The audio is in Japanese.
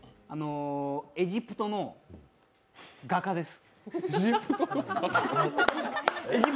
エジプトの画家です。